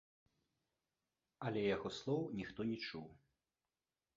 Але яго слоў ніхто не чуў.